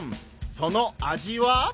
その味は！？